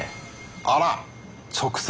あらっ直接。